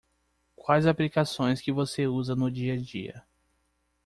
Quais aplicações que você usa no dia-a-dia?